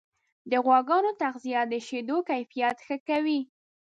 د غواګانو تغذیه د شیدو کیفیت ښه کوي.